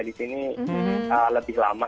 di sini lebih lama